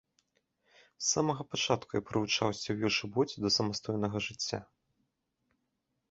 З самага пачатку я прывучаўся ў ешыбоце да самастойнага жыцця.